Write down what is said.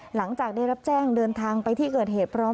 หลังจากได้รับแจ้งเดินทางไปที่เกิดเหตุพร้อม